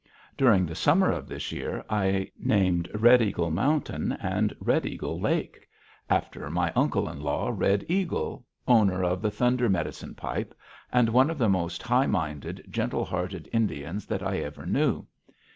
During the summer of this year I named Red Eagle Mountain and Red Eagle Lake, after my uncle in law, Red Eagle, owner of the Thunder medicine pipe, and one of the most high minded, gentle hearted Indians that I ever knew.